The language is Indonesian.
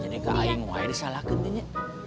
jadi kak ayin mau saya disalahkan ternyata